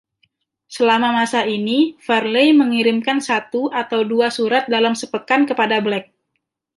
Selama masa ini, Farley mengirimkan satu atau dua surat dalam sepekan kepada Black.